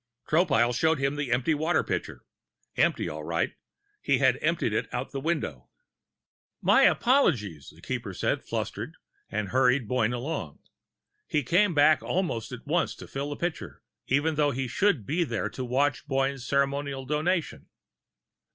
Tropile showed him the empty water pitcher empty, all right; he had emptied it out the window. "My apologies," the Keeper said, flustered, and hurried Boyne along. He came back almost at once to fill the pitcher, even though he should be there to watch Boyne's ceremonial Donation.